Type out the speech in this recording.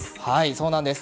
そうなんです。